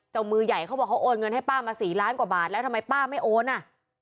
มือใหญ่เขาบอกเขาโอนเงินให้ป้ามาสี่ล้านกว่าบาทแล้วทำไมป้าไม่โอนอ่ะ